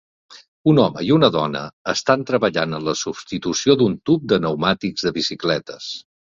Un home i una dona estan treballant en la substitució d'un tub de pneumàtics de bicicletes